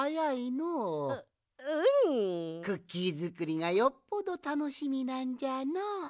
クッキーづくりがよっぽどたのしみなんじゃのう。